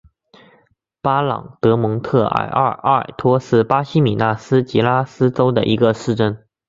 巴朗德蒙特阿尔托是巴西米纳斯吉拉斯州的一个市镇。